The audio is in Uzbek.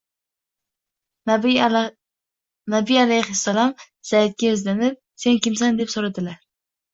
Nabiy alayhissalom Zaydga yuzlanib: “Sen kimsan?” deb so‘radilar